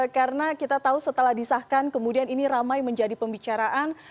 karena kita tahu setelah disahkan kemudian ini ramai menjadi pembicaraan